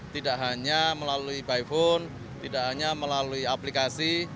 tidak hanya melalui by phone tidak hanya melalui aplikasi